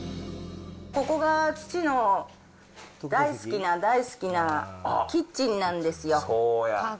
ここが、父の大好きな大好きなキッチンなんですよ。